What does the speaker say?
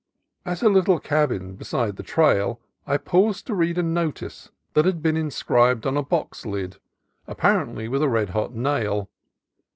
At a little cabin beside the trail I paused to read a notice that had been inscribed on a box lid, ap A VOLUBLE BOX LID 189 parently with a red hot nail.